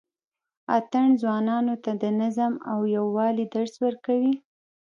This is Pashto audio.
اتڼ ځوانانو ته د نظم او یووالي درس ورکوي.